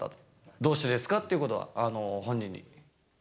どうしてですか？ということは、本人に。